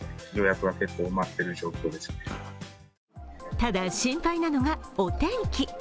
ただ、心配なのはお天気。